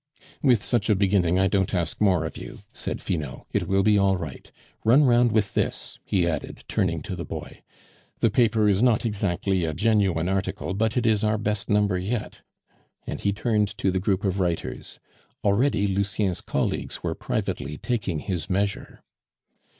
"With such a beginning, I don't ask more of you," said Finot; "it will be all right. Run round with this," he added, turning to the boy; "the paper is not exactly a genuine article, but it is our best number yet," and he turned to the group of writers. Already Lucien's colleagues were privately taking his measure.